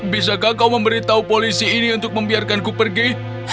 bisakah kau memberitahu polisi ini untuk membiarkanku pergi